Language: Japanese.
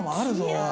おい。